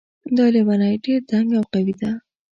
دا لیونۍ ډېر دنګ او قوي ده